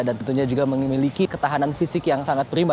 dan tentunya juga memiliki ketahanan fisik yang sangat prima